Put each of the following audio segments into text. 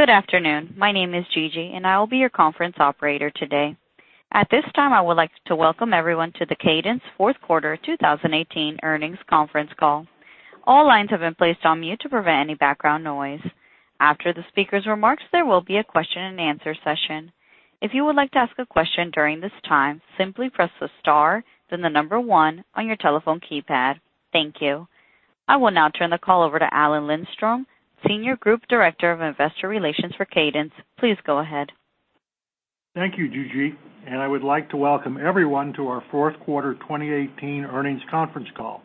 Good afternoon. My name is Gigi, and I will be your conference operator today. At this time, I would like to welcome everyone to the Cadence fourth quarter 2018 earnings conference call. All lines have been placed on mute to prevent any background noise. After the speaker's remarks, there will be a question and answer session. If you would like to ask a question during this time, simply press the star, then the number 1 on your telephone keypad. Thank you. I will now turn the call over to Alan Lindstrom, Senior Group Director, Investor Relations for Cadence. Please go ahead. Thank you, Gigi, and I would like to welcome everyone to our fourth quarter 2018 earnings conference call.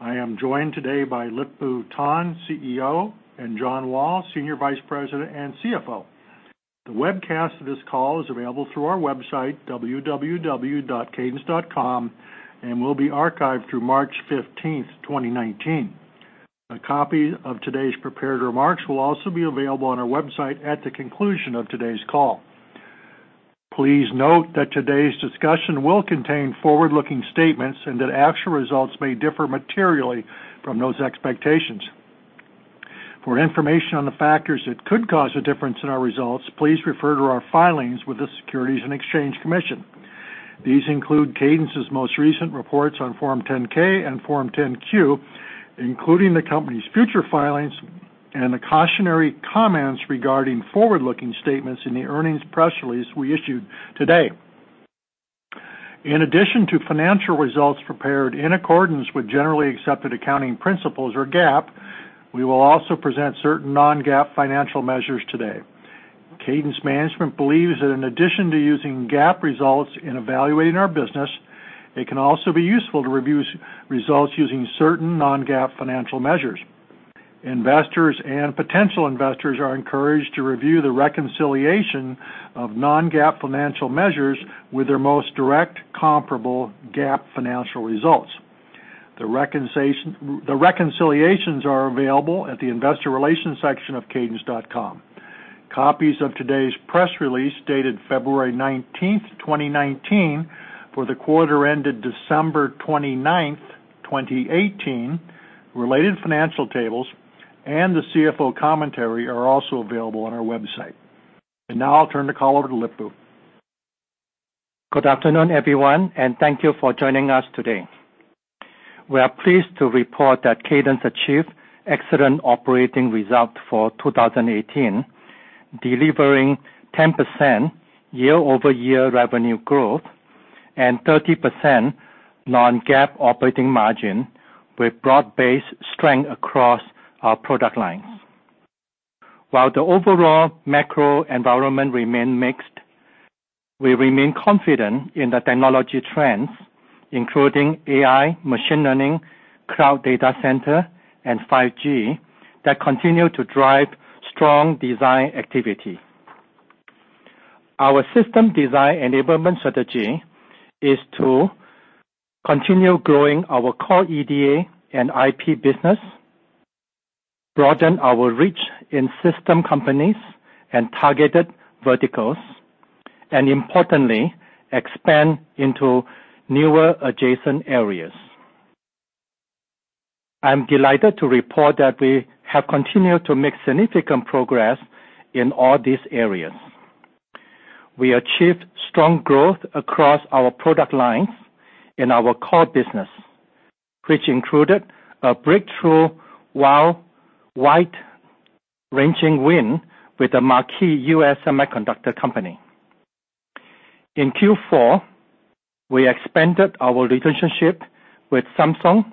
I am joined today by Lip-Bu Tan, CEO, and John Wall, Senior Vice President and CFO. The webcast of this call is available through our website, cadence.com, and will be archived through March 15th, 2019. A copy of today's prepared remarks will also be available on our website at the conclusion of today's call. Please note that today's discussion will contain forward-looking statements and that actual results may differ materially from those expectations. For information on the factors that could cause a difference in our results, please refer to our filings with the Securities and Exchange Commission. These include Cadence's most recent reports on Form 10-K and Form 10-Q, including the company's future filings and the cautionary comments regarding forward-looking statements in the earnings press release we issued today. In addition to financial results prepared in accordance with generally accepted accounting principles or GAAP, we will also present certain non-GAAP financial measures today. Cadence management believes that in addition to using GAAP results in evaluating our business, it can also be useful to review results using certain non-GAAP financial measures. Investors and potential investors are encouraged to review the reconciliation of non-GAAP financial measures with their most direct comparable GAAP financial results. The reconciliations are available at the investor relations section of cadence.com. Copies of today's press release, dated February 19th, 2019, for the quarter ended December 29th, 2018, related financial tables, and the CFO commentary are also available on our website. Now I'll turn the call over to Lip-Bu. Good afternoon, everyone, and thank you for joining us today. We are pleased to report that Cadence achieved excellent operating results for 2018, delivering 10% year-over-year revenue growth and 30% non-GAAP operating margin, with broad-based strength across our product lines. While the overall macro environment remained mixed, we remain confident in the technology trends, including AI, machine learning, cloud data center, and 5G that continue to drive strong design activity. Our system design enablement strategy is to continue growing our core EDA and IP business, broaden our reach in system companies and targeted verticals, and importantly, expand into newer adjacent areas. I am delighted to report that we have continued to make significant progress in all these areas. We achieved strong growth across our product lines in our core business, which included a breakthrough wide-ranging win with a marquee U.S. semiconductor company. In Q4, we expanded our relationship with Samsung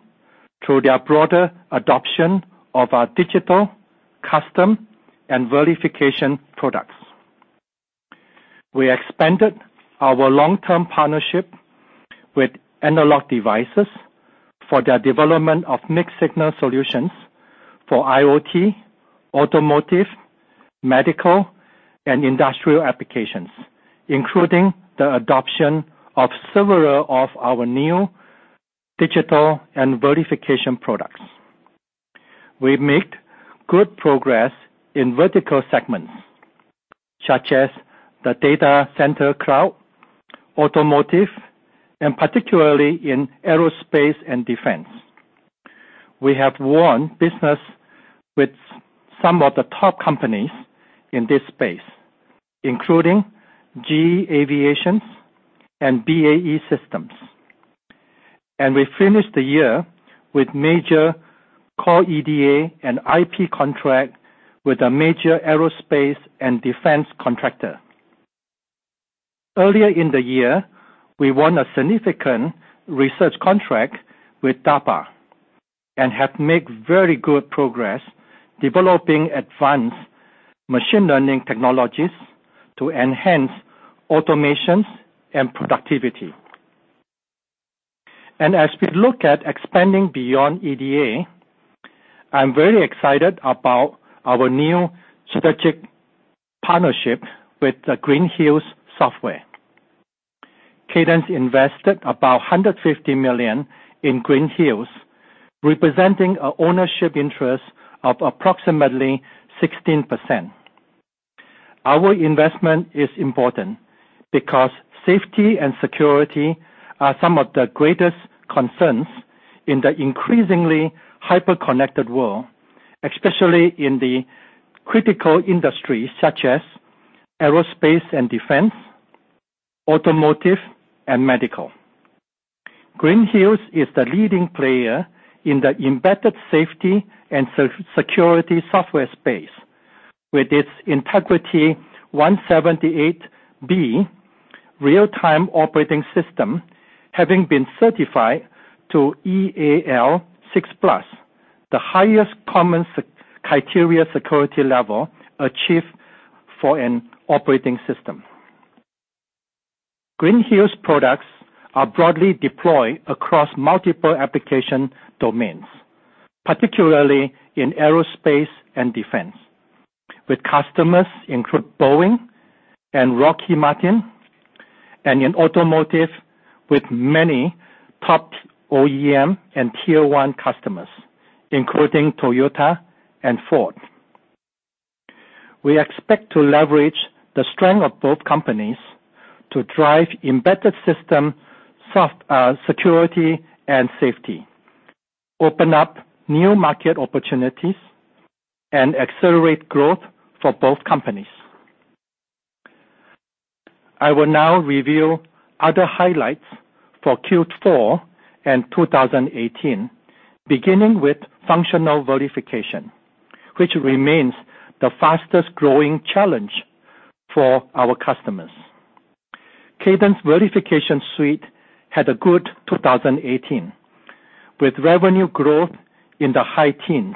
through their broader adoption of our digital, custom, and verification products. We expanded our long-term partnership with Analog Devices for their development of mixed-signal solutions for IoT, automotive, medical, and industrial applications, including the adoption of several of our new digital and verification products. We made good progress in vertical segments such as the data center cloud, automotive, and particularly in aerospace and defense. We have won business with some of the top companies in this space, including GE Aerospace and BAE Systems. We finished the year with major core EDA and IP contract with a major aerospace and defense contractor. Earlier in the year, we won a significant research contract with DARPA and have made very good progress developing advanced machine learning technologies to enhance automation and productivity. As we look at expanding beyond EDA, I'm very excited about our new strategic partnership with Green Hills Software. Cadence invested about $150 million in Green Hills, representing an ownership interest of approximately 16%. Our investment is important because safety and security are some of the greatest concerns in the increasingly hyper-connected world, especially in the critical industries such as aerospace and defense, automotive, and medical. Green Hills is the leading player in the embedded safety and security software space, with its INTEGRITY-178B real-time operating system having been certified to EAL6+, the highest common criteria security level achieved for an operating system. Green Hills products are broadly deployed across multiple application domains, particularly in aerospace and defense, with customers include Boeing and Lockheed Martin, and in automotive with many top OEM and tier-one customers, including Toyota and Ford. We expect to leverage the strength of both companies to drive embedded system security and safety, open up new market opportunities, and accelerate growth for both companies. I will now review other highlights for Q4 and 2018, beginning with functional verification, which remains the fastest-growing challenge for our customers. Cadence Verification Suite had a good 2018, with revenue growth in the high teens,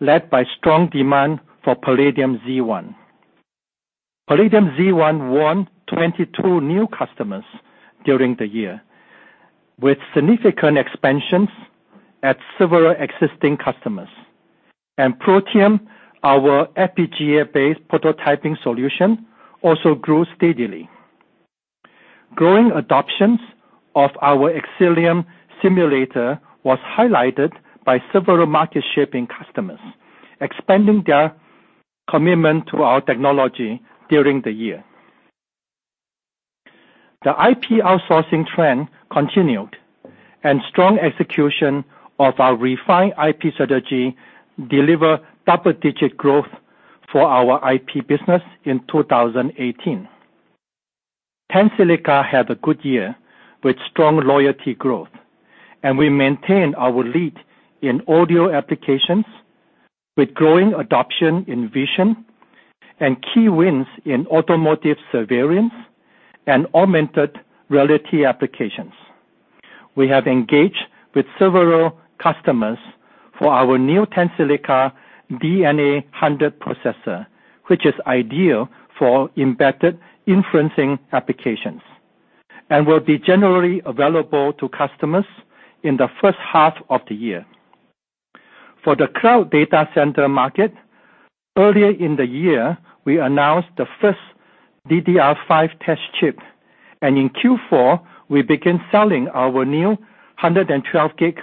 led by strong demand for Palladium Z1. Palladium Z1 won 22 new customers during the year, with significant expansions at several existing customers. Protium, our FPGA-based prototyping solution, also grew steadily. Growing adoptions of our Xcelium Simulator was highlighted by several market-shaping customers, expanding their commitment to our technology during the year. The IP outsourcing trend continued, and strong execution of our refined IP strategy delivered double-digit growth for our IP business in 2018. Tensilica had a good year with strong loyalty growth, and we maintained our lead in audio applications with growing adoption in vision and key wins in automotive surveillance and augmented reality applications. We have engaged with several customers for our new Tensilica DNA 100 processor, which is ideal for embedded inferencing applications and will be generally available to customers in the first half of the year. For the cloud data center market, earlier in the year, we announced the first DDR5 test chip, and in Q4, we began selling our new 112G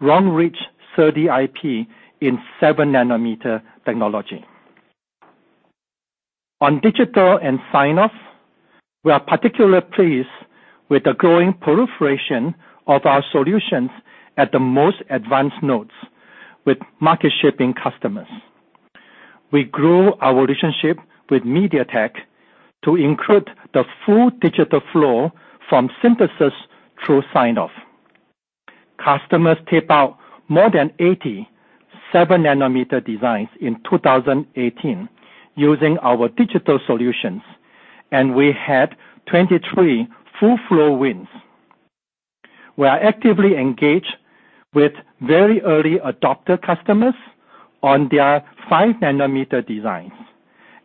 Long-Reach SerDes IP in seven nanometer technology. On digital and sign-off, we are particularly pleased with the growing proliferation of our solutions at the most advanced nodes with market-shaping customers. We grew our relationship with MediaTek to include the full digital flow from synthesis through sign-off. Customers tape out more than 80 7-nanometer designs in 2018 using our digital solutions, and we had 23 full-flow wins. We are actively engaged with very early adopter customers on their 5-nanometer designs,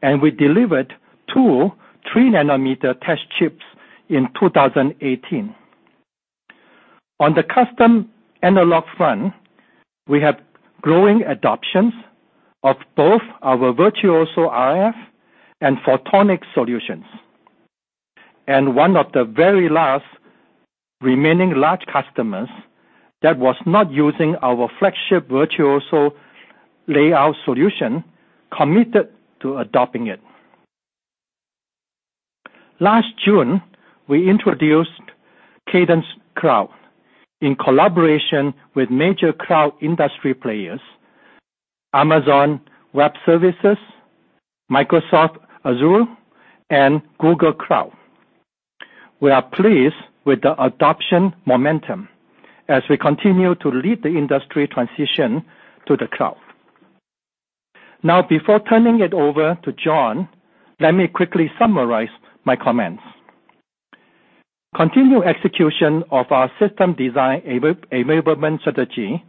and we delivered 2 3-nanometer test chips in 2018. On the custom analog front, we have growing adoptions of both our Virtuoso RF and photonic solutions. One of the very last remaining large customers that was not using our flagship Virtuoso layout solution committed to adopting it. Last June, we introduced Cadence Cloud in collaboration with major cloud industry players, Amazon Web Services, Microsoft Azure, and Google Cloud. We are pleased with the adoption momentum as we continue to lead the industry transition to the cloud. Before turning it over to John, let me quickly summarize my comments. Continued execution of our system design enablement strategy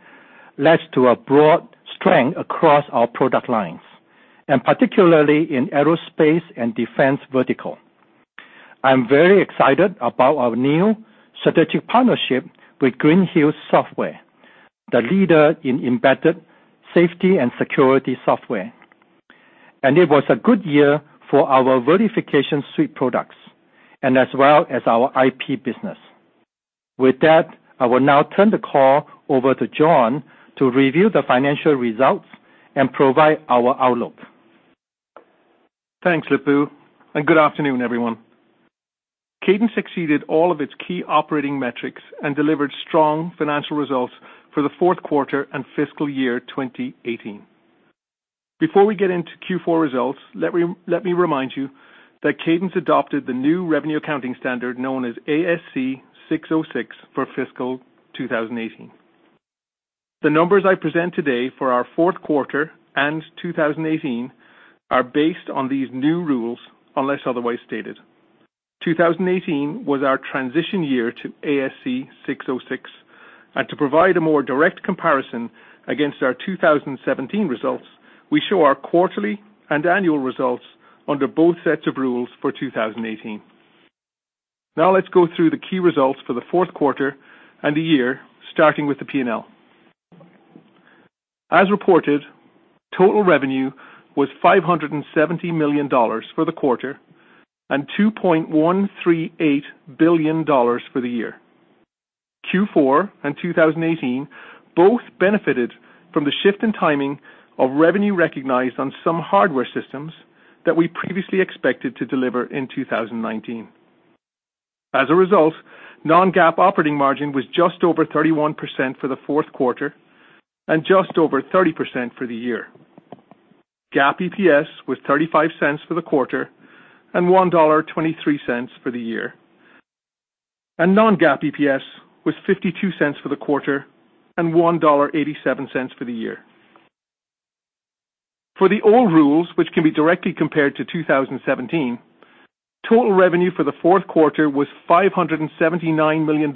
led to a broad strength across our product lines, and particularly in aerospace and defense vertical. I'm very excited about our new strategic partnership with Green Hills Software, the leader in embedded safety and security software. It was a good year for our Verification Suite products and as well as our IP business. With that, I will now turn the call over to John to review the financial results and provide our outlook. Thanks, Lip-Bu, and good afternoon, everyone. Cadence exceeded all of its key operating metrics and delivered strong financial results for the fourth quarter and fiscal year 2018. Before we get into Q4 results, let me remind you that Cadence adopted the new revenue accounting standard known as ASC 606 for fiscal 2018. The numbers I present today for our fourth quarter and 2018 are based on these new rules, unless otherwise stated. 2018 was our transition year to ASC 606, and to provide a more direct comparison against our 2017 results, we show our quarterly and annual results under both sets of rules for 2018. Let's go through the key results for the fourth quarter and the year, starting with the P&L. As reported, total revenue was $570 million for the quarter and $2.138 billion for the year. Q4 and 2018 both benefited from the shift in timing of revenue recognized on some hardware systems that we previously expected to deliver in 2019. As a result, non-GAAP operating margin was just over 31% for the fourth quarter and just over 30% for the year. GAAP EPS was $0.35 for the quarter and $1.23 for the year. Non-GAAP EPS was $0.52 for the quarter and $1.87 for the year. For the old rules, which can be directly compared to 2017, total revenue for the fourth quarter was $579 million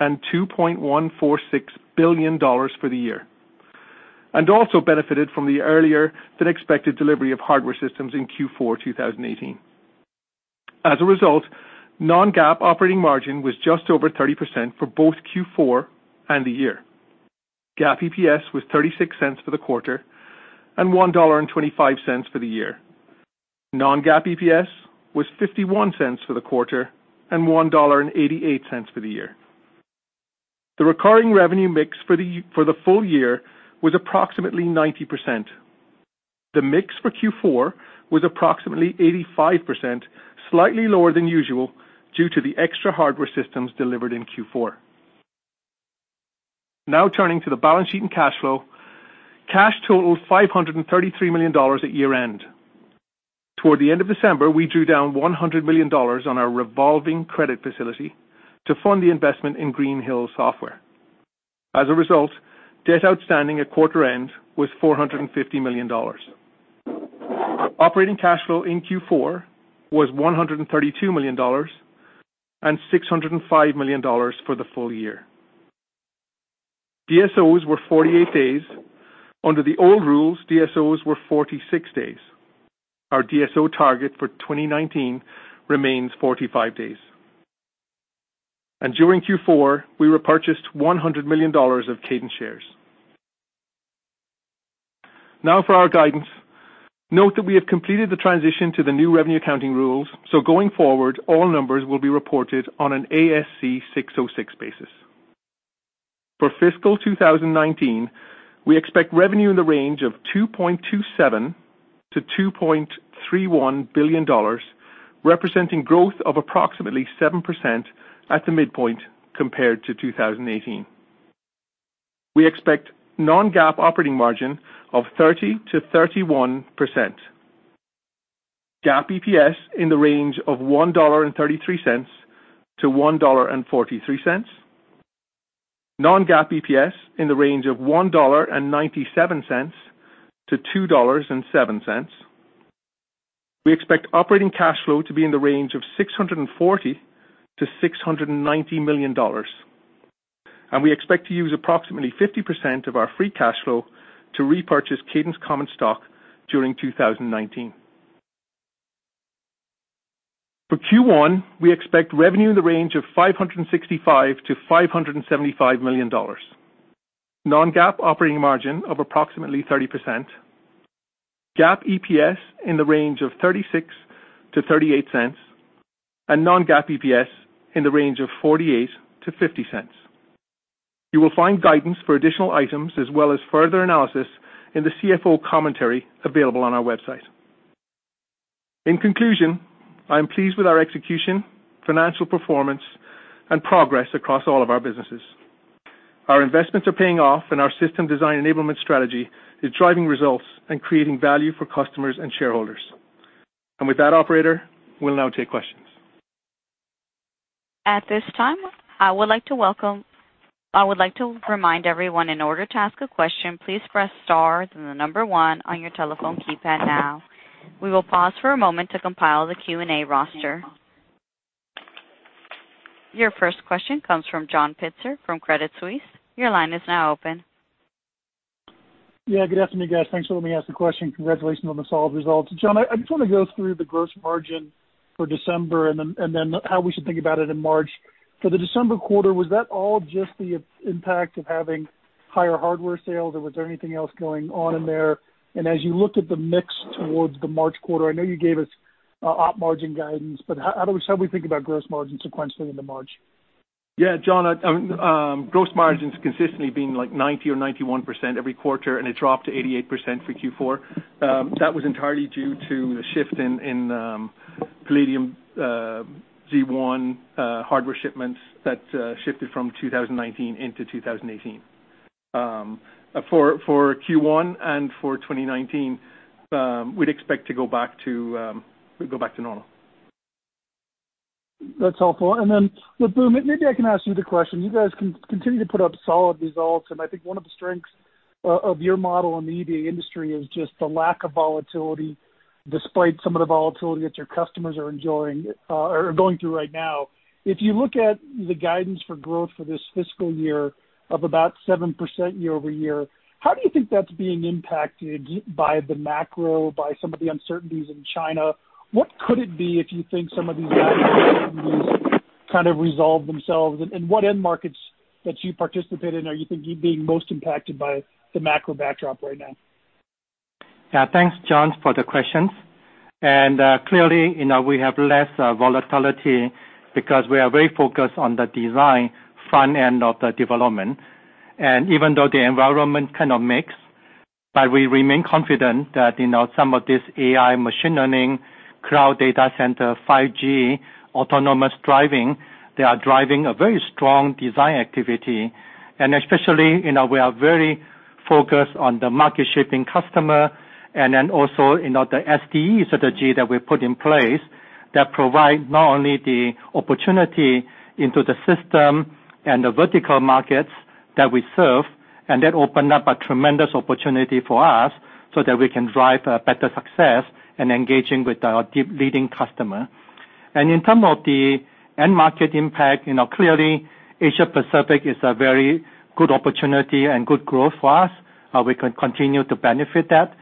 and $2.146 billion for the year. Also benefited from the earlier than expected delivery of hardware systems in Q4 2018. As a result, non-GAAP operating margin was just over 30% for both Q4 and the year. GAAP EPS was $0.36 for the quarter and $1.25 for the year. Non-GAAP EPS was $0.51 for the quarter and $1.88 for the year. The recurring revenue mix for the full year was approximately 90%. The mix for Q4 was approximately 85%, slightly lower than usual due to the extra hardware systems delivered in Q4. Now turning to the balance sheet and cash flow. Cash totaled $533 million at year-end. Toward the end of December, we drew down $100 million on our revolving credit facility to fund the investment in Green Hills Software. As a result, debt outstanding at quarter end was $450 million. Operating cash flow in Q4 was $132 million and $605 million for the full year. DSOs were 48 days. Under the old rules, DSOs were 46 days. Our DSO target for 2019 remains 45 days. During Q4, we repurchased $100 million of Cadence shares. Now for our guidance. Note that we have completed the transition to the new revenue accounting rules, so going forward, all numbers will be reported on an ASC 606 basis. For fiscal 2019, we expect revenue in the range of $2.27 billion-$2.31 billion, representing growth of approximately 7% at the midpoint compared to 2018. We expect non-GAAP operating margin of 30%-31%. GAAP EPS in the range of $1.33-$1.43. Non-GAAP EPS in the range of $1.97-$2.07. We expect operating cash flow to be in the range of $640 million-$690 million, and we expect to use approximately 50% of our free cash flow to repurchase Cadence common stock during 2019. For Q1, we expect revenue in the range of $565 million-$575 million. Non-GAAP operating margin of approximately 30%. GAAP EPS in the range of $0.36-$0.38. Non-GAAP EPS in the range of $0.48-$0.50. You will find guidance for additional items as well as further analysis in the CFO commentary available on our website. In conclusion, I am pleased with our execution, financial performance, and progress across all of our businesses. Our investments are paying off, and our system design enablement strategy is driving results and creating value for customers and shareholders. With that, operator, we'll now take questions. At this time, I would like to remind everyone in order to ask a question, please press star then the number one on your telephone keypad now. We will pause for a moment to compile the Q&A roster. Your first question comes from John Pitzer from Credit Suisse. Your line is now open. Yeah, good afternoon, guys. Thanks for letting me ask the question. Congratulations on the solid results. John, I just want to go through the gross margin for December and then how we should think about it in March. For the December quarter, was that all just the impact of having higher hardware sales or was there anything else going on in there? As you looked at the mix towards the March quarter, I know you gave us Op margin guidance. How do we think about gross margin sequentially into March? Yeah, John. Gross margin's consistently been 90% or 91% every quarter, and it dropped to 88% for Q4. That was entirely due to the shift in Palladium Z1 hardware shipments that shifted from 2019 into 2018. For Q1 and for 2019, we'd expect to go back to normal. That's helpful. Then Lip-Bu, maybe I can ask you the question. You guys continue to put up solid results, and I think one of the strengths of your model in the EDA industry is just the lack of volatility, despite some of the volatility that your customers are going through right now. If you look at the guidance for growth for this fiscal year of about 7% year-over-year, how do you think that's being impacted by the macro, by some of the uncertainties in China? What could it be if you think some of these uncertainties resolve themselves? What end markets that you participate in are being most impacted by the macro backdrop right now? Thanks, John, for the questions. Clearly, we have less volatility because we are very focused on the design front end of the development. Even though the environment kind of makes, but we remain confident that some of this AI machine learning, cloud data center, 5G, autonomous driving, they are driving a very strong design activity. Especially, we are very focused on the market-shaping customer also the SDE strategy that we put in place that provide not only the opportunity into the system and the vertical markets that we serve, that open up a tremendous opportunity for us so that we can drive a better success in engaging with our deep leading customer. In terms of the end market impact, clearly Asia Pacific is a very good opportunity and good growth for us. We can continue to benefit that.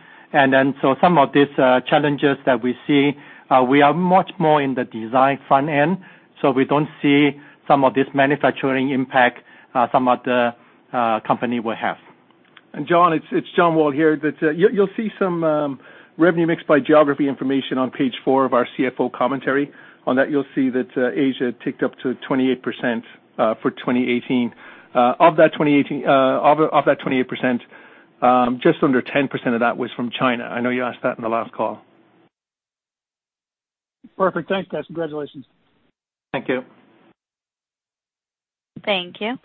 Some of these challenges that we see, we are much more in the design front end, we don't see some of this manufacturing impact some other company will have. John, it's John Wall here. You'll see some revenue mix by geography information on page four of our CFO commentary. On that, you'll see that Asia ticked up to 28% for 2018. Of that 28%, just under 10% of that was from China. I know you asked that in the last call. Perfect. Thanks, guys. Congratulations. Thank you. Thank you.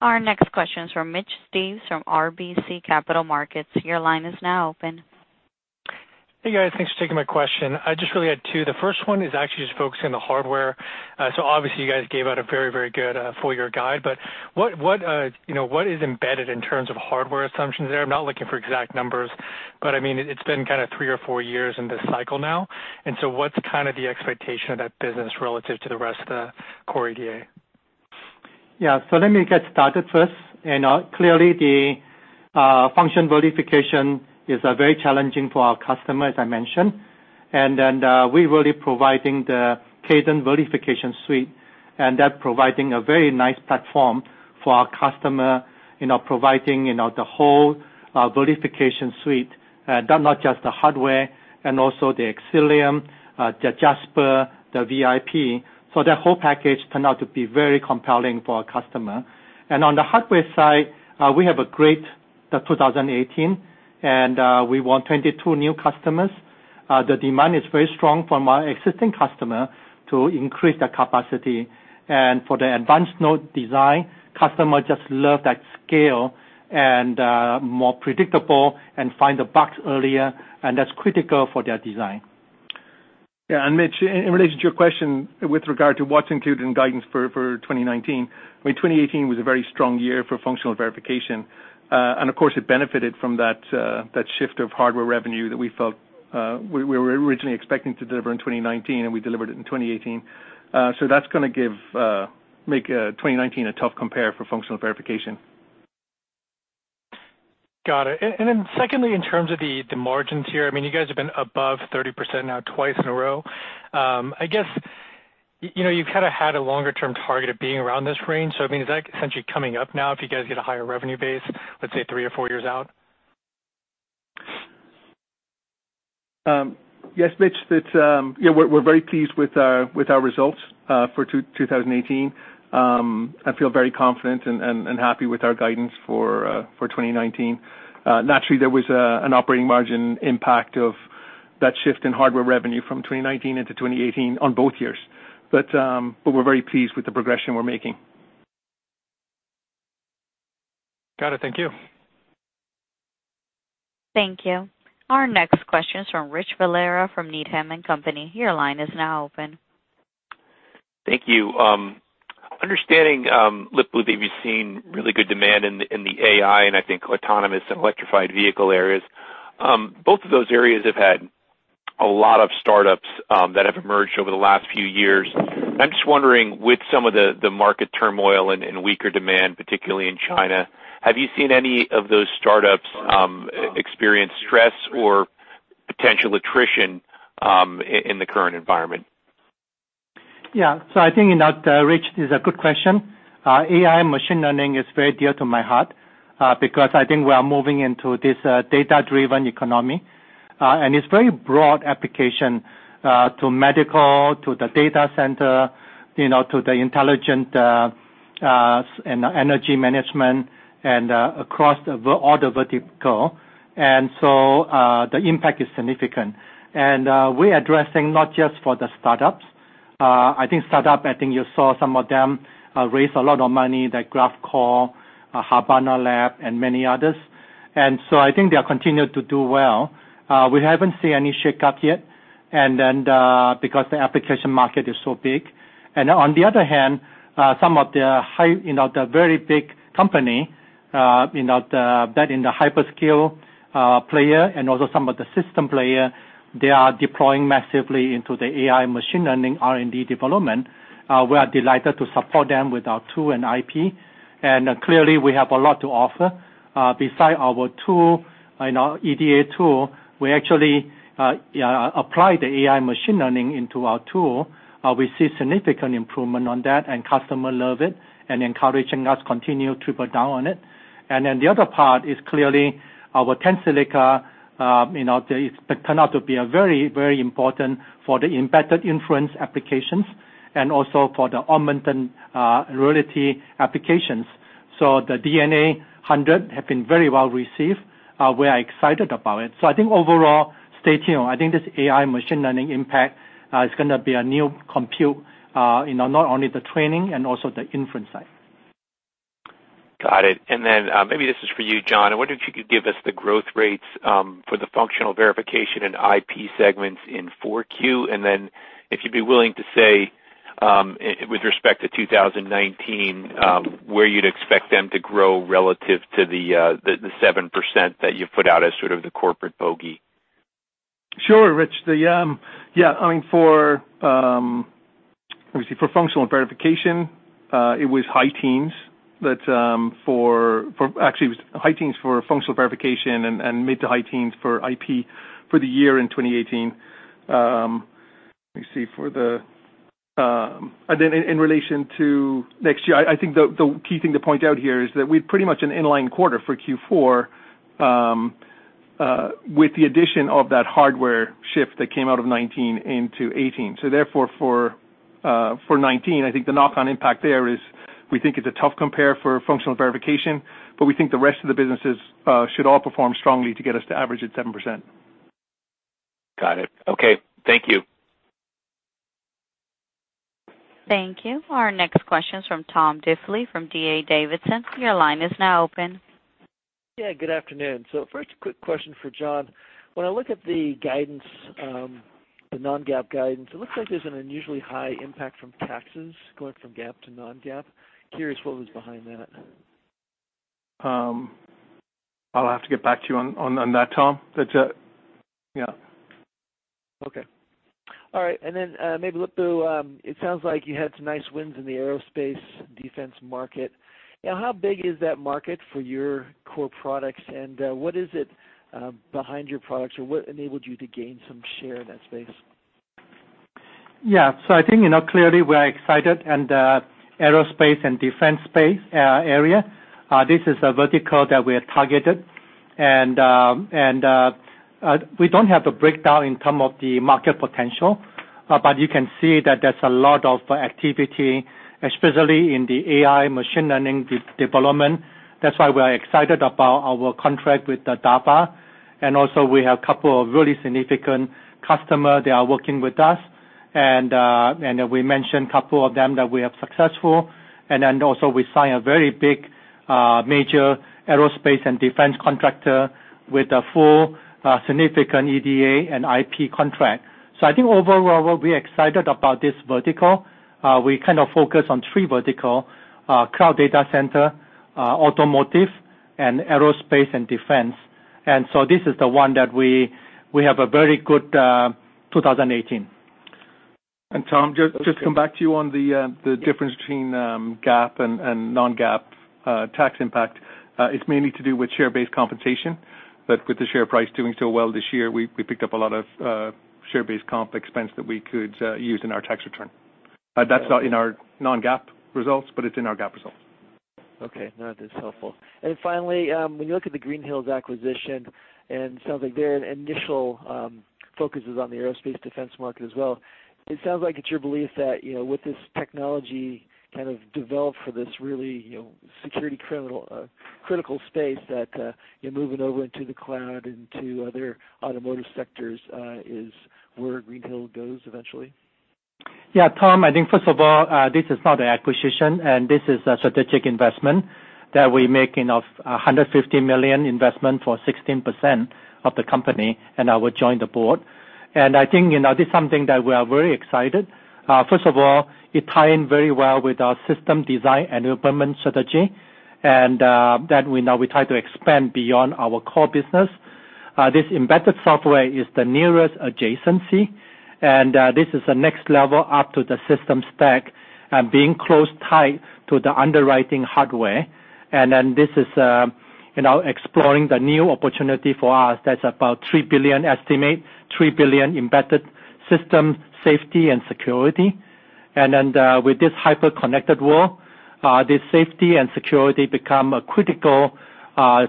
Our next question is from Mitch Steves from RBC Capital Markets. Your line is now open. Hey, guys. Thanks for taking my question. I just really had two. The first one is actually just focusing on the hardware. Obviously you guys gave out a very good full year guide, but what is embedded in terms of hardware assumptions there? I'm not looking for exact numbers, but it's been kind of three or four years in this cycle now. What's the expectation of that business relative to the rest of the core EDA? Yeah. Let me get started first. Clearly the function verification is very challenging for our customer, as I mentioned. We really providing the Cadence Verification Suite, and that providing a very nice platform for our customer, providing the whole verification suite, not just the hardware and also the Xcelium, the Jasper, the VIP. That whole package turned out to be very compelling for our customer. On the hardware side, we have a great 2018, and we won 22 new customers. The demand is very strong from our existing customer to increase the capacity. For the advanced node design, customer just love that scale and more predictable and find the bugs earlier, and that's critical for their design. Yeah. Mitch, in relation to your question with regard to what's included in guidance for 2019, 2018 was a very strong year for functional verification. Of course, it benefited from that shift of hardware revenue that we felt we were originally expecting to deliver in 2019, and we delivered it in 2018. That's going to make 2019 a tough compare for functional verification. Got it. Secondly, in terms of the margins here, you guys have been above 30% now twice in a row. I guess you've kind of had a longer term target of being around this range. Is that essentially coming up now if you guys get a higher revenue base, let's say, three or four years out? Yes, Mitch. We're very pleased with our results for 2018. I feel very confident and happy with our guidance for 2019. Naturally, there was an operating margin impact of that shift in hardware revenue from 2019 into 2018 on both years. We're very pleased with the progression we're making. Got it. Thank you. Thank you. Our next question is from Richard Valera from Needham & Company. Your line is now open. Thank you. Understanding, Lip-Bu, that you've seen really good demand in the AI and I think autonomous and electrified vehicle areas. Both of those areas have had a lot of startups that have emerged over the last few years. I'm just wondering, with some of the market turmoil and weaker demand, particularly in China, have you seen any of those startups experience stress or potential attrition in the current environment? Yeah. I think Rich, it's a good question. AI machine learning is very dear to my heart, because I think we are moving into this data-driven economy, and it's very broad application to medical, to the data center, to the intelligent and energy management, and across all the vertical. The impact is significant. We're addressing not just for the startups. I think startup, I think you saw some of them raise a lot of money, like Graphcore, Habana Labs, and many others. I think they'll continue to do well. We haven't seen any shakeup yet, because the application market is so big. On the other hand, some of the very big company that in the hyperscale player and also some of the system player, they are deploying massively into the AI machine learning R&D development. We are delighted to support them with our tool and IP. Clearly, we have a lot to offer. Besides our tool and our EDA tool, we actually apply the AI machine learning into our tool. We see significant improvement on that, and customer love it and encouraging us continue to double down on it. The other part is clearly our Tensilica, it's turned out to be very, very important for the embedded inference applications and also for the augmented reality applications. The DNA 100 have been very well received. We are excited about it. I think overall, stay tuned. I think this AI machine learning impact is going to be a new compute, not only the training and also the inference side. Got it. Maybe this is for you, John. I wonder if you could give us the growth rates for the functional verification and IP segments in 4Q. If you'd be willing to say, with respect to 2019, where you'd expect them to grow relative to the 7% that you put out as sort of the corporate bogey. Sure, Rich. Let me see, for functional verification, it was high teens. Actually, it was high teens for functional verification and mid to high teens for IP for the year in 2018. Let me see. In relation to next year, I think the key thing to point out here is that we're pretty much an in-line quarter for Q4 with the addition of that hardware shift that came out of 2019 into 2018. For 2019, I think the knock-on impact there is we think it's a tough compare for functional verification, but we think the rest of the businesses should all perform strongly to get us to average at 7%. Got it. Okay. Thank you. Thank you. Our next question is from Tom Diffely from D.A. Davidson. Your line is now open. Yeah, good afternoon. First, a quick question for John. When I look at the non-GAAP guidance, it looks like there's an unusually high impact from taxes going from GAAP to non-GAAP. Curious what was behind that. I'll have to get back to you on that, Tom. Yeah. Okay. All right. Then maybe Lip-Bu, it sounds like you had some nice wins in the aerospace defense market. How big is that market for your core products, and what is it behind your products, or what enabled you to gain some share in that space? Yeah. I think, clearly, we're excited in the aerospace and defense area. This is a vertical that we have targeted. We don't have the breakdown in term of the market potential. You can see that there's a lot of activity, especially in the AI machine learning development. That's why we are excited about our contract with the DARPA. Also we have couple of really significant customer that are working with us, and we mentioned couple of them that we are successful. Then also we sign a very big, major aerospace and defense contractor with a full, significant EDA and IP contract. I think overall, we're excited about this vertical. We kind of focus on three vertical: cloud data center, automotive, and aerospace and defense. This is the one that we have a very good 2018. Tom, just to come back to you on the difference between GAAP and non-GAAP tax impact. It's mainly to do with share-based compensation. With the share price doing so well this year, we picked up a lot of share-based comp expense that we could use in our tax return. That's not in our non-GAAP results, but it's in our GAAP results. Okay. No, this is helpful. Finally, when you look at the Green Hills acquisition, it sounds like their initial focus is on the aerospace defense market as well. It sounds like it's your belief that, with this technology kind of developed for this really security critical space that you're moving over into the cloud, into other automotive sectors, is where Green Hills goes eventually? Yeah, Tom, I think first of all, this is not an acquisition, this is a strategic investment that we make of $150 million investment for 16% of the company, I will join the board. I think this is something that we are very excited. First of all, it ties in very well with our System Design Enablement Strategy, that now we try to expand beyond our core business. This embedded software is the nearest adjacency, this is the next level up to the system stack, being closely tied to the underwriting hardware. This is exploring the new opportunity for us, that's about $3 billion estimate, $3 billion embedded system safety and security. With this hyper-connected world, this safety and security becomes a critical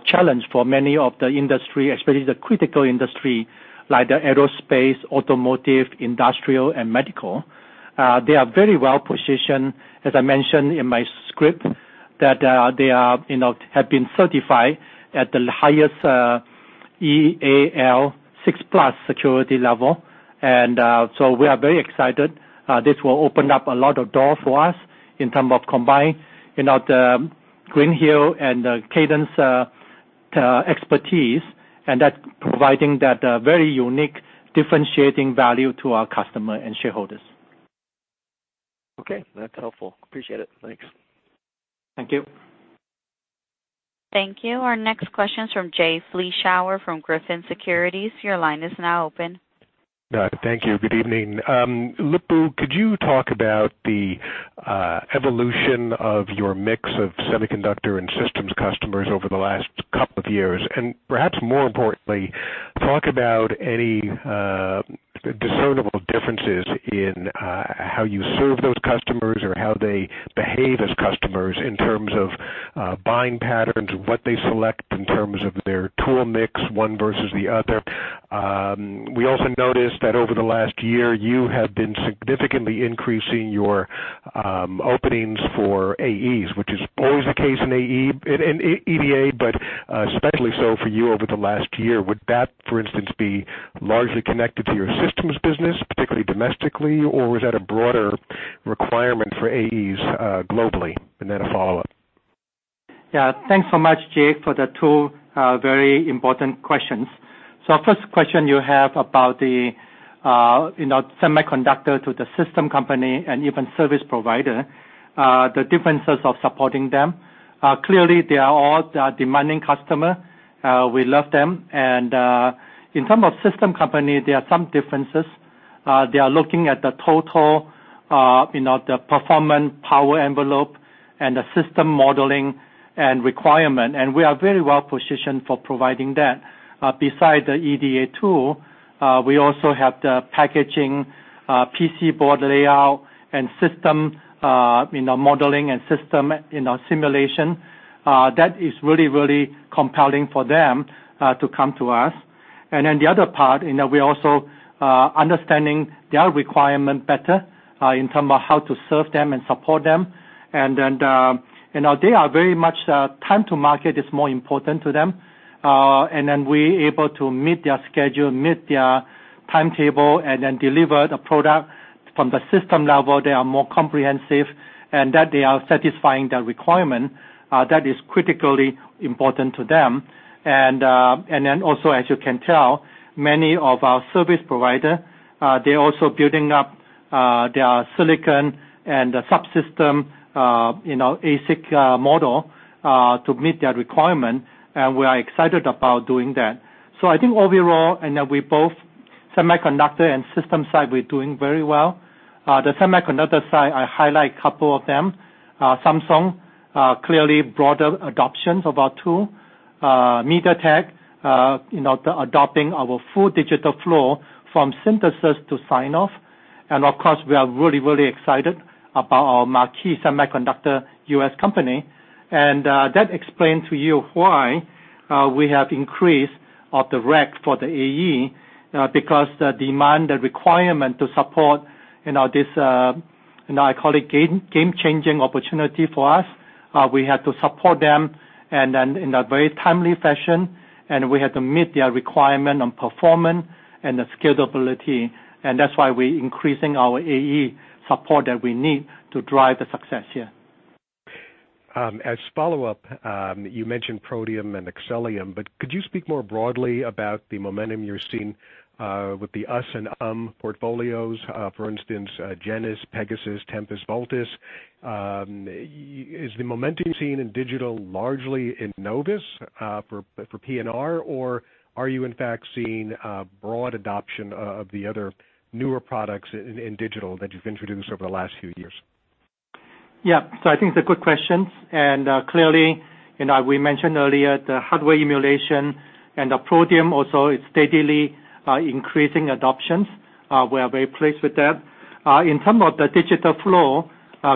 challenge for many of the industry, especially the critical industry like the aerospace, automotive, industrial, and medical. They are very well-positioned, as I mentioned in my script, that they have been certified at the highest EAL6+ security level. We are very excited. This will open up a lot of doors for us in terms of combining the Green Hills and Cadence expertise, providing that very unique differentiating value to our customer and shareholders. Okay, that's helpful. Appreciate it. Thanks. Thank you. Thank you. Our next question is from Jay Vleeschhouwer from Griffin Securities. Your line is now open. Thank you. Good evening. Lip-Bu, could you talk about the evolution of your mix of semiconductor and systems customers over the last couple of years, and perhaps more importantly, talk about any discernible differences in how you serve those customers or how they behave as customers in terms of buying patterns, what they select in terms of their tool mix, one versus the other. We also noticed that over the last year, you have been significantly increasing your openings for AEs, which is always the case in EDA, but especially so for you over the last year. Would that, for instance, be largely connected to your systems business, particularly domestically, or was that a broader requirement for AEs globally? Then a follow-up. Thanks so much, Jay, for the 2 very important questions. First question you have about the semiconductor to the system company and even service provider, the differences of supporting them. Clearly, they are all demanding customer. We love them. In term of system company, there are some differences. They are looking at the total, the performance, power envelope, and the system modeling and requirement. We are very well positioned for providing that. Besides the EDA tool, we also have the packaging PC board layout and system modeling and system simulation. That is really compelling for them to come to us. The other part, we also understanding their requirement better in terms of how to serve them and support them. They are very much time to market is more important to them. We able to meet their schedule, meet their timetable, deliver the product from the system level. They are more comprehensive and that they are satisfying the requirement that is critically important to them. Also, as you can tell, many of our service provider, they're also building up their silicon and subsystem ASIC model to meet their requirement, and we are excited about doing that. I think overall, in both semiconductor and system side, we're doing very well. The semiconductor side, I highlight a couple of them. Samsung, clearly broader adoptions of our tool. MediaTek, they're adopting our full digital flow from synthesis to sign-off. Of course, we are really excited about our marquee semiconductor U.S. company. That explain to you why we have increased the ramp for the AE, because the demand, the requirement to support this, I call it game-changing opportunity for us. We have to support them in a very timely fashion, we have to meet their requirement on performance and the scalability, that's why we increasing our AE support that we need to drive the success here. As follow-up, you mentioned Protium and Xcelium, could you speak more broadly about the momentum you're seeing with the Xcelium and Palladium portfolios, for instance, Genus, Pegasus, Tempus, Voltus. Is the momentum you're seeing in digital largely in Innovus for PNR, or are you in fact seeing broad adoption of the other newer products in digital that you've introduced over the last few years? I think it's a good question. Clearly, we mentioned earlier the hardware emulation and the Protium also is steadily increasing adoptions. We are very pleased with that. In terms of the digital flow,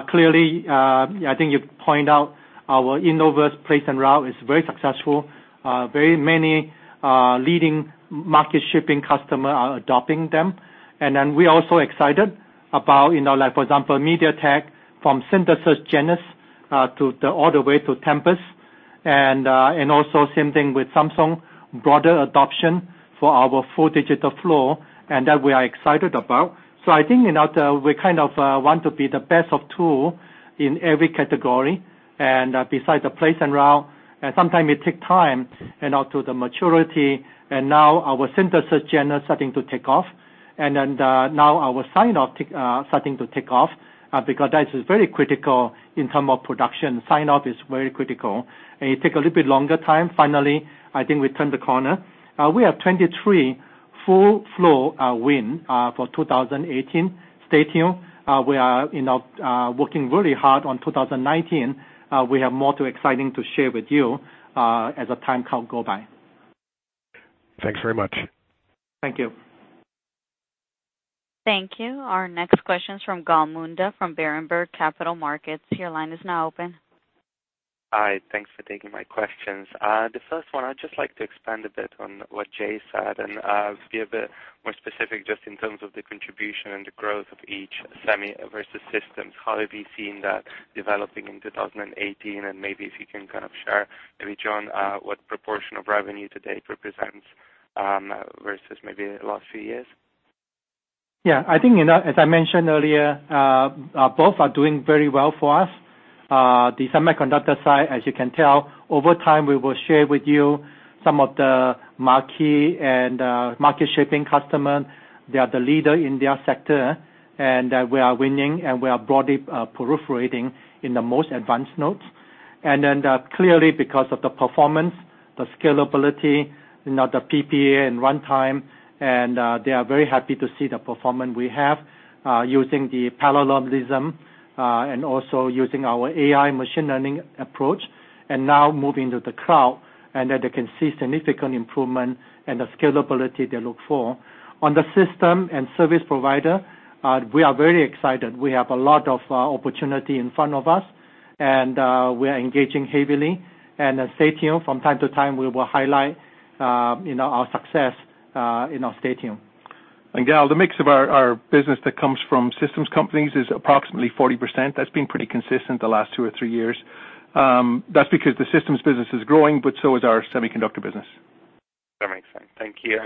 clearly, I think you point out our Innovus place and route is very successful. Very many leading market-shaping customer are adopting them. We also excited about, for example, MediaTek from Synthesis Genus all the way to Tempus, and also same thing with Samsung, broader adoption for our full digital flow, that we are excited about. I think we kind of want to be the best of tool in every category. Besides the place and route, sometime it take time to the maturity, now our Synthesis Genus starting to take off. Now our sign-off starting to take off, because that is very critical in term of production. Sign-off is very critical. It take a little bit longer time. Finally, I think we turn the corner. We have 23 full flow win for 2018. Stay tuned. We are working really hard on 2019. We have more exciting to share with you as the time go by. Thanks very much. Thank you. Thank you. Our next question is from Gal Munda from Berenberg Capital Markets. Your line is now open. Hi. Thanks for taking my questions. The first one, I'd just like to expand a bit on what Jay said and give a more specific just in terms of the contribution and the growth of each semi versus systems. Maybe if you can kind of share, maybe John, what proportion of revenue today it represents, versus maybe the last few years. Yeah. I think, as I mentioned earlier, both are doing very well for us. The semiconductor side, as you can tell, over time, we will share with you some of the marquee and market-shaping customer. They are the leader in their sector, and we are winning, and we are broadly proliferating in the most advanced nodes. Clearly, because of the performance, the scalability, the PPA and runtime, and they are very happy to see the performance we have, using the parallelism, and also using our AI machine learning approach, and now moving to the cloud, and that they can see significant improvement and the scalability they look for. On the system and service provider, we are very excited. We have a lot of opportunity in front of us, and we are engaging heavily. Stay tuned. From time to time, we will highlight our success, stay tuned. Gal, the mix of our business that comes from systems companies is approximately 40%. That's been pretty consistent the last two or three years. That's because the systems business is growing, but so is our semiconductor business. That makes sense. Thank you.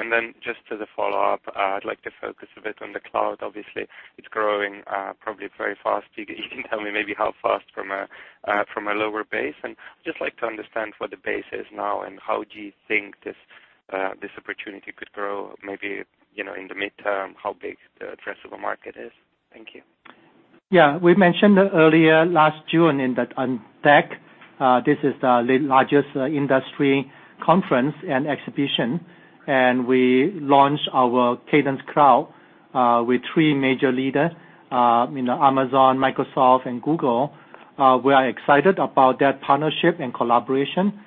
Just as a follow-up, I'd like to focus a bit on the cloud. Obviously, it's growing probably very fast. You can tell me maybe how fast from a lower base, and I'd just like to understand what the base is now and how do you think this opportunity could grow, maybe in the midterm, how big the addressable market is. Thank you. Yeah. We mentioned earlier, last June in the tech, this is the largest industry conference and exhibition. We launched our Cadence Cloud with three major leaders, Amazon, Microsoft, and Google. We are excited about that partnership and collaboration.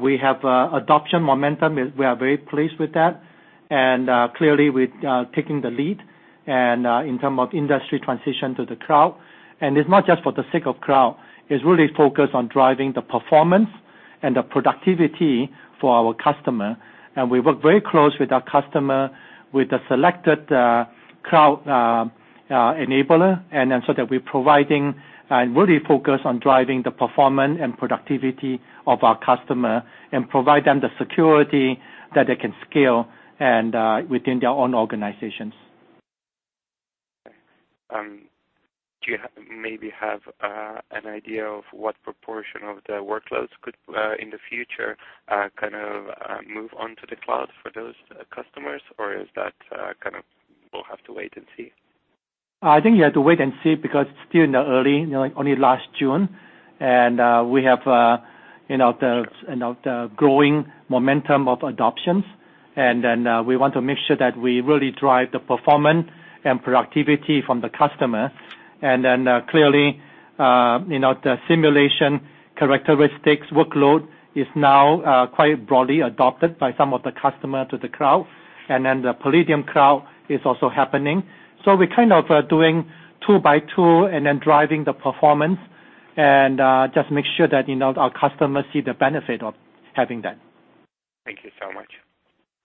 We have adoption momentum. We are very pleased with that. Clearly, we are taking the lead, in terms of industry transition to the cloud. It's not just for the sake of cloud. It's really focused on driving the performance and the productivity for our customer. We work very closely with our customer, with the selected cloud enabler, so that we're providing and really focused on driving the performance and productivity of our customer and provide them the security that they can scale within their own organizations. Do you maybe have an idea of what proportion of the workloads could, in the future, move on to the cloud for those customers? Or is that, kind of, we'll have to wait and see? I think you have to wait and see because it's still in the early, only last June. We have the growing momentum of adoption. We want to make sure that we really drive the performance and productivity from the customer. Clearly, the simulation characteristics workload is now quite broadly adopted by some of the customer to the cloud, and the Palladium Cloud is also happening. We're kind of doing two by two and driving the performance and just make sure that our customers see the benefit of having that. Thank you so much.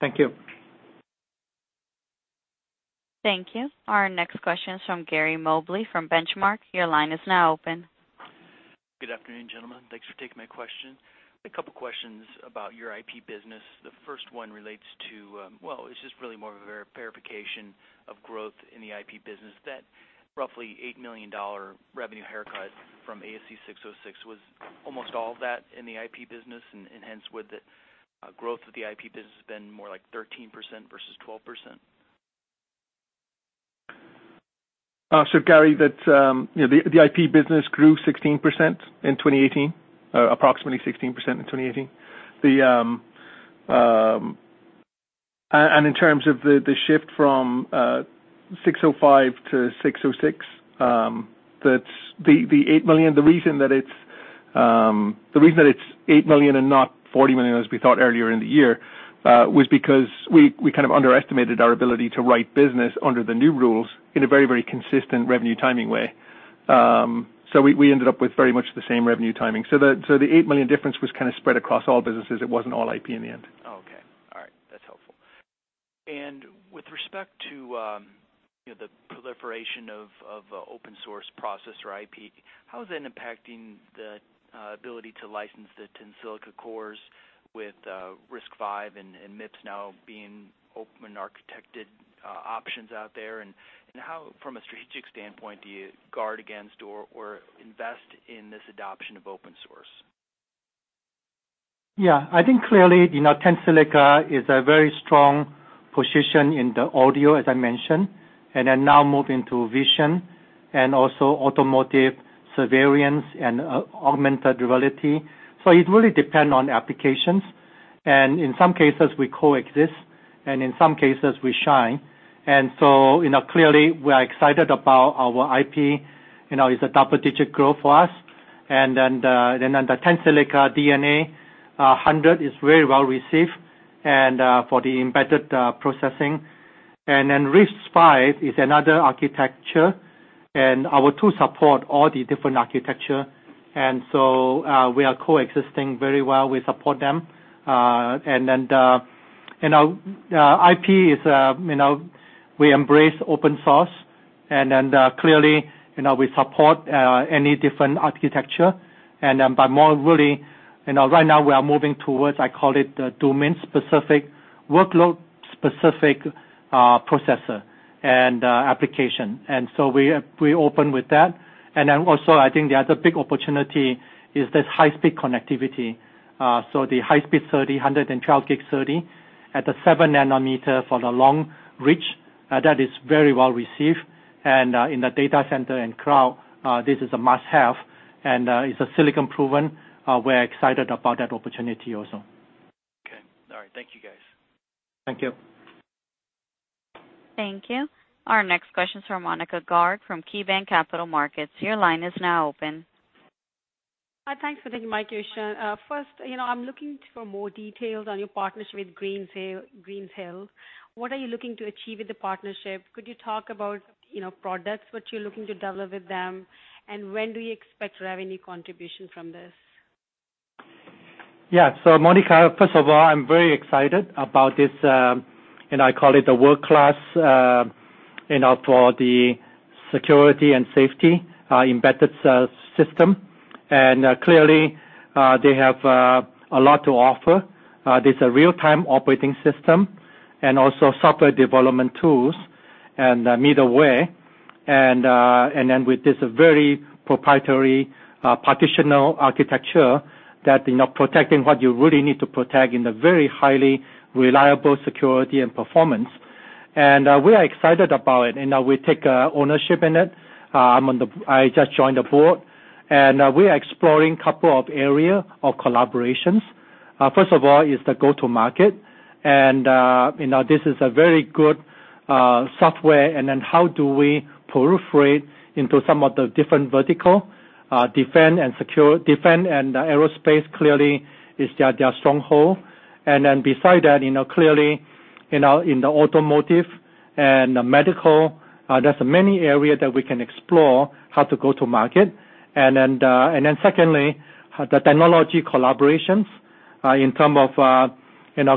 Thank you. Thank you. Our next question is from Gary Mobley from Benchmark. Your line is now open. Good afternoon, gentlemen. Thanks for taking my question. A couple questions about your IP business. The first one relates to, well, it's just really more of a verification of growth in the IP business. That roughly $8 million revenue haircut from ASC 606, was almost all of that in the IP business, and hence would the growth of the IP business been more like 13% versus 12%? Gary, the IP business grew 16% in 2018, approximately 16% in 2018. In terms of the shift from ASC 605 to ASC 606, the $8 million, the reason that it's $8 million and not $40 million as we thought earlier in the year, was because we kind of underestimated our ability to write business under the new rules in a very, very consistent revenue timing way. We ended up with very much the same revenue timing. The $8 million difference was kind of spread across all businesses. It wasn't all IP in the end. Okay. All right. That's helpful. With respect to the proliferation of open source processor IP, how is that impacting the ability to license the Tensilica cores with RISC-V and MIPS now being open architected options out there? How, from a strategic standpoint, do you guard against or invest in this adoption of open source? Yeah. I think clearly, Tensilica is a very strong position in the audio, as I mentioned. Then now move into vision and also automotive surveillance and augmented reality. It really depends on the applications. In some cases we coexist and in some cases we shine. Clearly we are excited about our IP. It's a double-digit growth for us. The Tensilica DNA 100 is very well received for the embedded processing. RISC-V is another architecture, our tools support all the different architecture. We are coexisting very well. We support them. IP is, we embrace open source clearly we support any different architecture. Right now we are moving towards, I call it the domain-specific workload, specific processor and application. We open with that. Also I think the other big opportunity is this high-speed connectivity. The high-speed SerDes, 112G SerDes at the seven nanometer for the long reach, that is very well received. In the data center and cloud, this is a must-have, and it's silicon-proven. We're excited about that opportunity also. Okay. All right. Thank you guys. Thank you. Thank you. Our next question is from Monika Garg from KeyBanc Capital Markets. Your line is now open. Hi. Thanks for taking my question. First, I'm looking for more details on your partnership with Green Hills. What are you looking to achieve with the partnership? Could you talk about products which you're looking to develop with them, and when do you expect revenue contribution from this? Yeah. Monika, first of all, I'm very excited about this, I call it a world-class for the security and safety embedded system. Clearly, they have a lot to offer. There's a real-time operating system and also software development tools and middleware. With this very proprietary partitional architecture that protecting what you really need to protect in the very highly reliable security and performance. We are excited about it, and now we take ownership in it. I just joined the board, we are exploring couple of area of collaborations. First of all is the go-to market, and this is a very good software. How do we perforate into some of the different vertical, defense and aerospace clearly is their stronghold. Beside that, clearly, in the automotive and medical, there's many area that we can explore how to go to market. Secondly, the technology collaborations in term of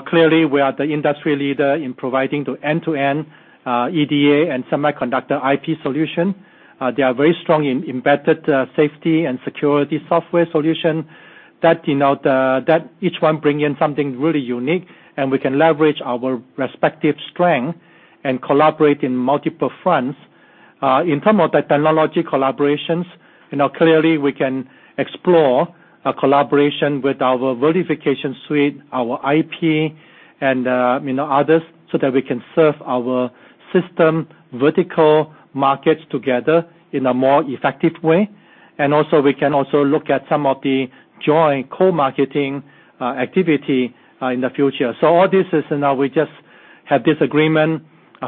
clearly we are the industry leader in providing the end-to-end EDA and semiconductor IP solution. They are very strong in embedded safety and security software solution that each one bring in something really unique, and we can leverage our respective strength and collaborate in multiple fronts. In term of the technology collaborations, clearly we can explore a collaboration with our Cadence Verification Suite, our IP and others so that we can serve our system, vertical markets together in a more effective way. Also we can also look at some of the joint co-marketing activity in the future. All this is now we just have this agreement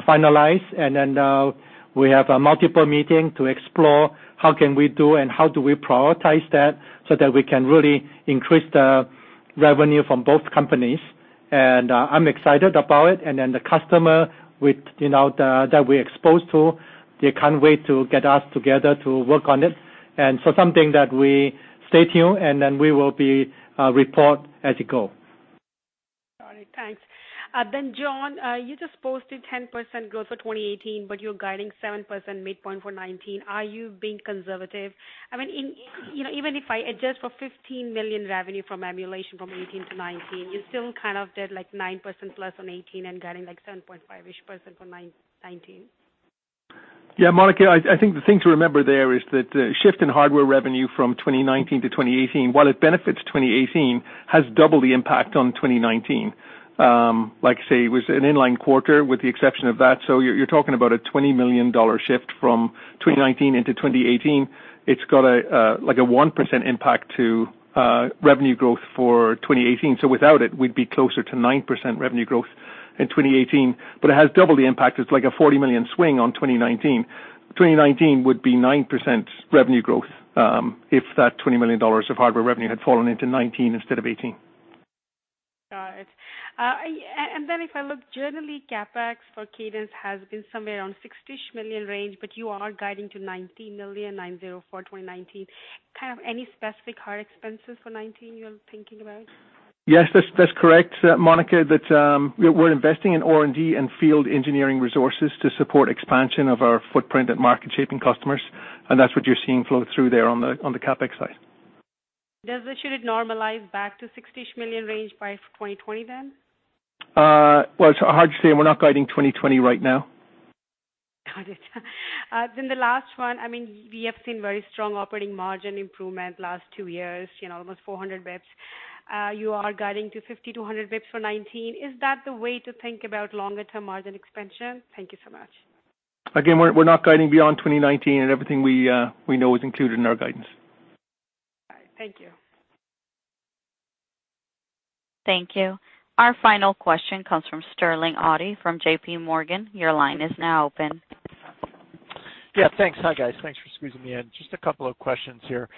finalized, we have a multiple meeting to explore how can we do and how do we prioritize that so that we can really increase the revenue from both companies. I'm excited about it. The customer that we exposed to, they can't wait to get us together to work on it. Something that we stay tuned, we will be report as we go. Got it. Thanks. John, you just posted 10% growth for 2018, you're guiding 7% midpoint for 2019. Are you being conservative? Even if I adjust for $15 million revenue from emulation from 2018 to 2019, you still did like 9%+ on 2018 guiding like 7.5%-ish for 2019. Monika, I think the thing to remember there is that the shift in hardware revenue from 2019 to 2018, while it benefits 2018, has double the impact on 2019. Like say, it was an inline quarter with the exception of that. You're talking about a $20 million shift from 2019 into 2018. It's got a 1% impact to revenue growth for 2018. Without it, we'd be closer to 9% revenue growth in 2018. It has double the impact. It's like a $40 million swing on 2019. 2019 would be 9% revenue growth, if that $20 million of hardware revenue had fallen into 2019 instead of 2018. Got it. If I look generally, CapEx for Cadence has been somewhere around $60 million range, you are guiding to $90 million for 2019. Any specific hard expenses for 2019 you are thinking about? Yes, that's correct, Monika. That we're investing in R&D and field engineering resources to support expansion of our footprint at market-shaping customers, that's what you're seeing flow through there on the CapEx side. Should it normalize back to $60 million range by 2020? Well, it's hard to say, and we're not guiding 2020 right now. Got it. The last one, we have seen very strong operating margin improvement last two years, almost 400 basis points. You are guiding to 50 to 100 basis points for 2019. Is that the way to think about longer-term margin expansion? Thank you so much. Again, we're not guiding beyond 2019, everything we know is included in our guidance. All right. Thank you. Thank you. Our final question comes from Sterling Auty from J.P. Morgan, your line is now open. Thanks. Hi, guys. Thanks for squeezing me in. Just a couple of questions here.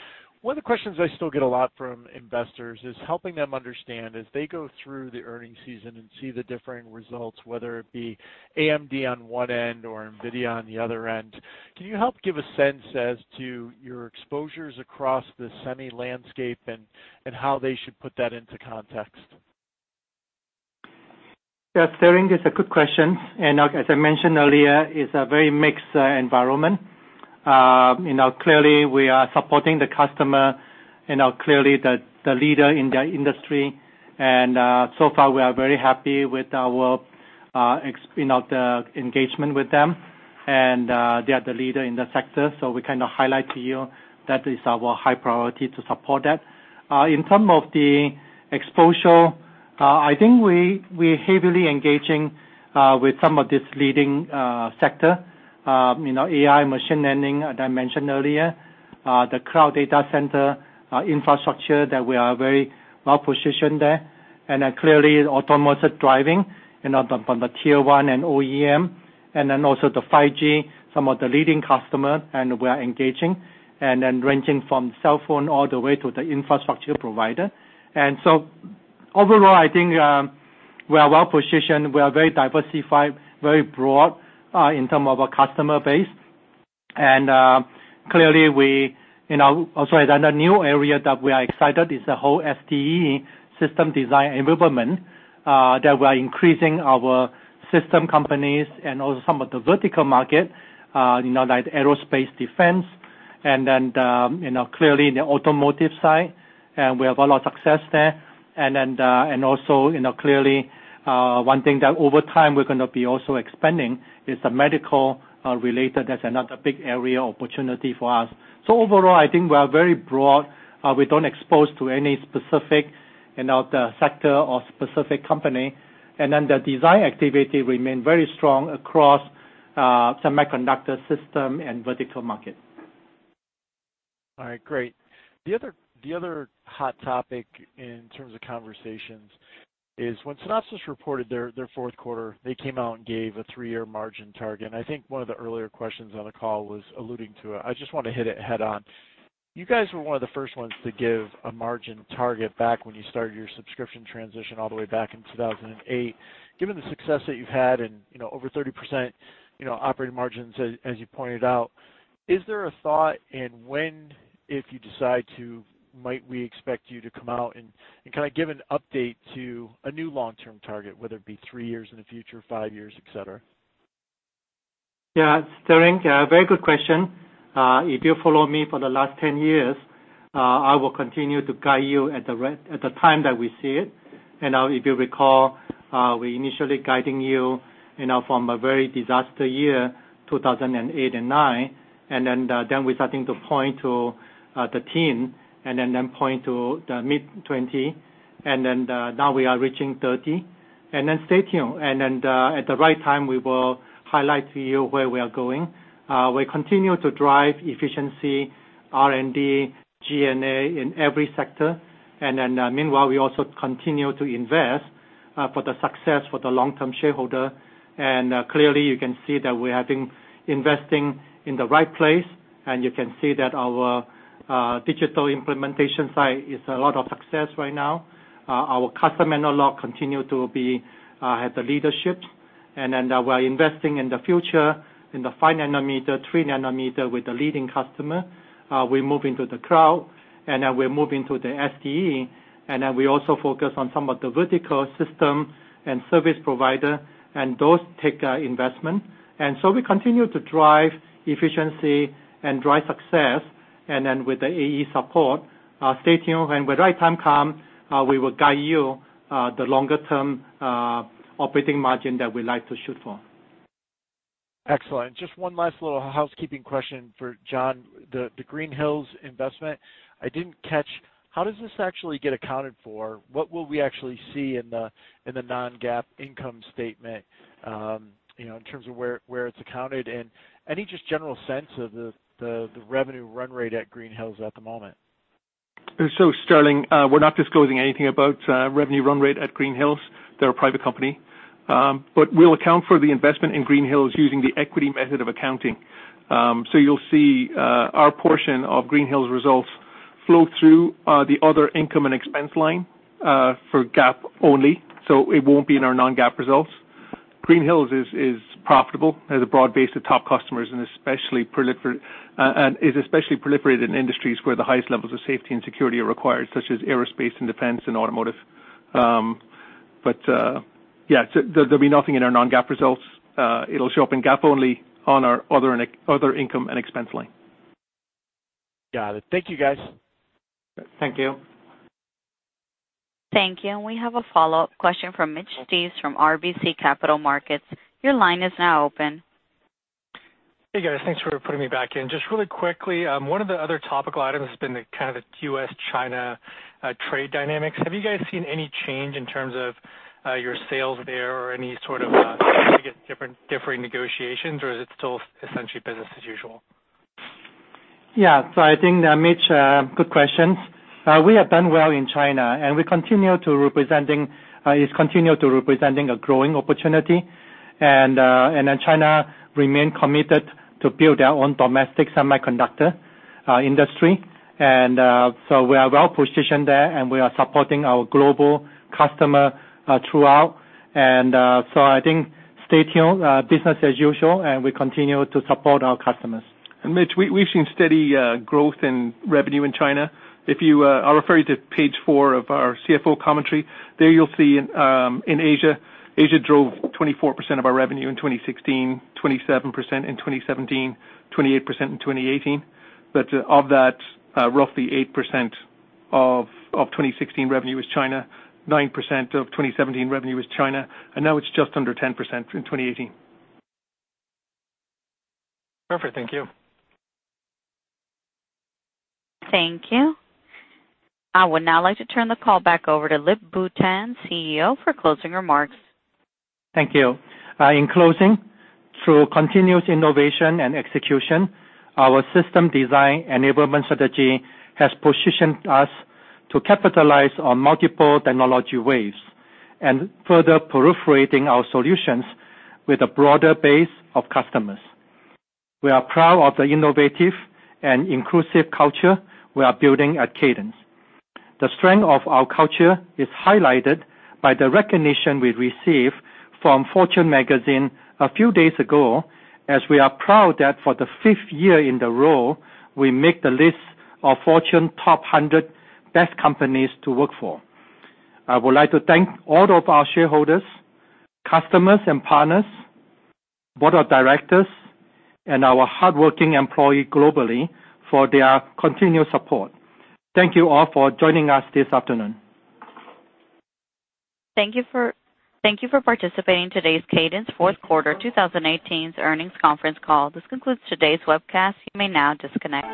One of the questions I still get a lot from investors is helping them understand as they go through the earning season and see the differing results, whether it be AMD on one end or Nvidia on the other end. Can you help give a sense as to your exposures across the semi landscape and how they should put that into context? Sterling, it's a good question, as I mentioned earlier, it's a very mixed environment. Clearly we are supporting the customer, clearly the leader in their industry. So far, we are very happy with the engagement with them. They are the leader in the sector, so we highlight to you that is our high priority to support that. In term of the exposure, I think we're heavily engaging with some of this leading sector. AI, machine learning, as I mentioned earlier. The cloud data center infrastructure that we are very well-positioned there. Clearly automotive driving from the Tier 1 and OEM, also the 5G, some of the leading customer, and we are engaging. Ranging from cell phone all the way to the infrastructure provider. Overall, I think, we are well-positioned. We are very diversified, very broad in term of our customer base. Clearly, the new area that we are excited is the whole SDE, system design enablement, that we're increasing our system companies and also some of the vertical market, like aerospace defense. Clearly the automotive side, we have a lot of success there. Also, clearly, one thing that over time we're going to be also expanding is the medical related. That's another big area opportunity for us. Overall, I think we are very broad. We don't expose to any specific sector or specific company. The design activity remain very strong across semiconductor system and vertical market. All right, great. The other hot topic in terms of conversations is when Synopsys reported their fourth quarter, they came out and gave a three-year margin target. I think one of the earlier questions on the call was alluding to it. I just want to hit it head on. You guys were one of the first ones to give a margin target back when you started your subscription transition all the way back in 2008. Given the success that you've had and over 30% operating margins, as you pointed out, is there a thought in when, if you decide to, might we expect you to come out and give an update to a new long-term target, whether it be three years in the future, five years, et cetera? Yeah. Sterling, very good question. If you follow me for the last 10 years, I will continue to guide you at the time that we see it. If you recall, we initially guiding you from a very disaster year, 2008 and '09. We starting to point to the teen, point to the mid-20, now we are reaching 30. Stay tuned, at the right time, we will highlight to you where we are going. We continue to drive efficiency, R&D, G&A in every sector. Meanwhile, we also continue to invest for the success for the long-term shareholder. Clearly you can see that we have been investing in the right place, you can see that our digital implementation side is a lot of success right now. Our custom analog continue to be at the leadership. We're investing in the future in the five nanometer, three nanometer with the leading customer. We move into the cloud, we move into the SDE, we also focus on some of the vertical system and service provider and those tech investment. We continue to drive efficiency and drive success. With the AE support, stay tuned, when right time come, we will guide you the longer term operating margin that we like to shoot for. Excellent. Just one last little housekeeping question for John. The Green Hills investment, I didn't catch, how does this actually get accounted for? What will we actually see in the non-GAAP income statement, in terms of where it's accounted? Any just general sense of the revenue run rate at Green Hills at the moment? Sterling, we're not disclosing anything about revenue run rate at Green Hills. They're a private company. We'll account for the investment in Green Hills using the equity method of accounting. You'll see our portion of Green Hills results flow through the other income and expense line, for GAAP only, so it won't be in our non-GAAP results. Green Hills is profitable. It has a broad base of top customers, and is especially proliferated in industries where the highest levels of safety and security are required, such as aerospace and defense and automotive. Yeah, there'll be nothing in our non-GAAP results. It'll show up in GAAP only on our other income and expense line. Got it. Thank you guys. Thank you. Thank you. We have a follow-up question from Mitch Steves from RBC Capital Markets. Your line is now open. Hey, guys. Thanks for putting me back in. Just really quickly, one of the other topical items has been the kind of U.S.-China trade dynamics. Have you guys seen any change in terms of your sales there or any sort of differing negotiations, or is it still essentially business as usual? Yeah. I think, Mitch, good questions. We have done well in China, and it's continued to representing a growing opportunity. China remain committed to build their own domestic semiconductor industry. We are well-positioned there, and we are supporting our global customer throughout. I think stay tuned, business as usual, and we continue to support our customers. Mitch, we've seen steady growth in revenue in China. I'll refer you to page four of our CFO commentary. There you'll see in Asia drove 24% of our revenue in 2016, 27% in 2017, 28% in 2018. Of that, roughly 8% of 2016 revenue is China, 9% of 2017 revenue is China, and now it's just under 10% in 2018. Perfect. Thank you. Thank you. I would now like to turn the call back over to Lip-Bu Tan, CEO, for closing remarks. Thank you. In closing, through continuous innovation and execution, our system design enablement strategy has positioned us to capitalize on multiple technology waves and further perforating our solutions with a broader base of customers. We are proud of the innovative and inclusive culture we are building at Cadence. The strength of our culture is highlighted by the recognition we received from Fortune magazine a few days ago, as we are proud that for the fifth year in a row, we make the list of Fortune 100 Best Companies to Work For. I would like to thank all of our shareholders, customers and partners, board of directors, and our hardworking employees globally for their continued support. Thank you all for joining us this afternoon. Thank you for participating in today's Cadence fourth quarter 2018 earnings conference call. This concludes today's webcast. You may now disconnect.